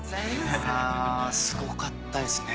いやすごかったですね